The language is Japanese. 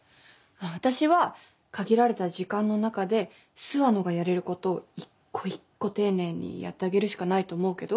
私は限られた時間の中で諏訪野がやれることを一個一個丁寧にやってあげるしかないと思うけど？